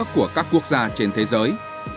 của các quốc gia trên thế giới